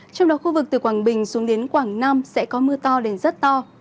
trong đó khu vực từ quảng bình xuống đến quảng nam sẽ có mưa to đến rất to